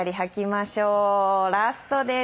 ラストです。